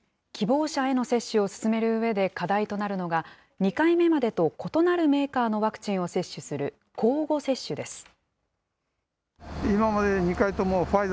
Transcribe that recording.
希望者への接種を進めるうえで課題となるのが、２回目までと異なるメーカーのワクチンを接種する交互接種です。